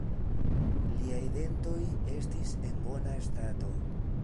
Liaj dentoj estis en bona stato.